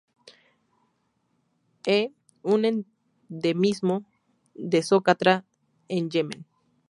E un endemismo de Socotra en Yemen.